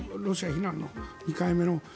ロシア非難の、２回目の。